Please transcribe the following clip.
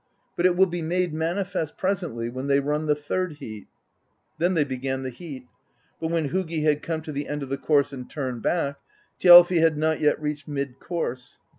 But it will be made manifest presently, when they run the third heat.' Then they began the heat; but when Hugi had come to the end of the course and turned back, Thjalfi had not yet reached mid course.